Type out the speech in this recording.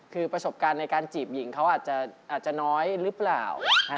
คือประสบการณ์ในการจีบหญิงเขาอาจจะน้อยหรือเปล่า